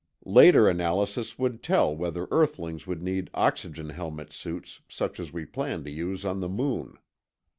Later analysis would tell whether earthlings would need oxygen helmet suits such as we plan to use on the moon.